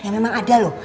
ya memang ada lho